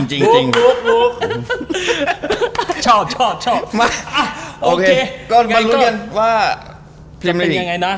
จริงชอบชอบชอบมากโอเคก็มาลุ้นกันว่าจะเป็นยังไงนะ